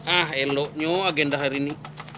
ah eloknya agenda hari ini